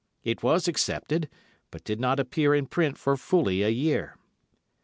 It was accepted, but did not appear in print for fully a year.